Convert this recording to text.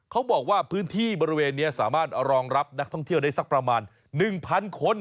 เขาบอกว่าพื้นที่บริเวณนี้สามารถรองรับนักท่องเที่ยวได้สักประมาณ๑๐๐คน